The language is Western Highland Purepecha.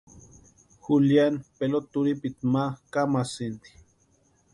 Juliani pelota turhipiti ma kamasïnti.